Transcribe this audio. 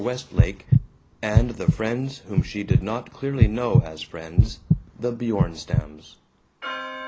Westlake and the friends whom she did not clearly know as friends the Bjornstams.